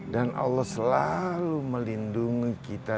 dan allah selalu melindungi kita